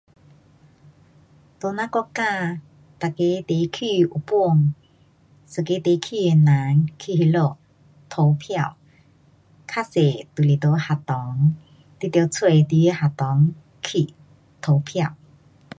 在咱国家每个地区有分，一个地区的人去那里投票，较多就是在学堂。你得找你得学堂去投票。